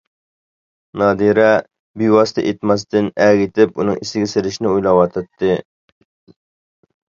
نادىرە بىۋاسىتە ئېيتماستىن ئەگىتىپ ئۇنىڭ ئېسىگە سېلىشنى ئويلاۋاتاتتى.